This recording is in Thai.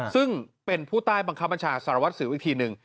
ซึ่งเป็นผู้ใต้บังคับบัญชาสารวัตรสิวอีกทีหนึ่ง